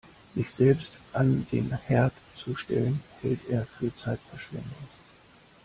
Sich selbst an den Herd zu stellen, hält er für Zeitverschwendung.